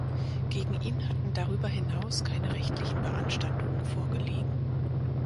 Gegen ihn hatten darüber hinaus keine rechtlichen Beanstandungen vorgelegen.